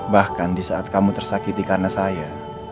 bahkan disaat kamu tersakiti karena saya